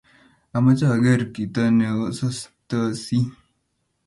amoche ager kito neoestostosii.